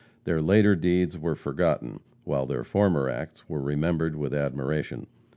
Their later deeds were forgotten, while their former acts were remembered with admiration.